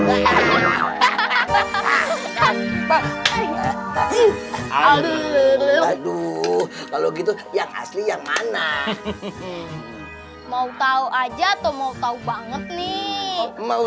hahaha waduh kalau gitu yang asli yang mana mau tahu aja atau mau tahu banget nih mau